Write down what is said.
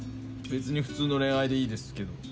別に普通の恋愛でいいですけど。